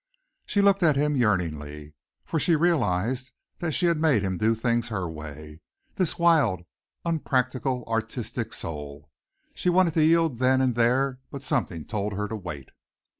She looked at him yearningly, for she realized that she had made him do things her way this wild, unpractical, artistic soul. She wanted to yield then and there but something told her to wait.